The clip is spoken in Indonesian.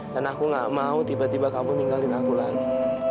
dan aku gak mau tiba tiba kamu ninggalin aku lagi